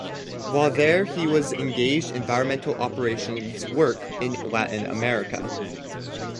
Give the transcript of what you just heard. While there, he was engaged in environmental operations work in Latin America.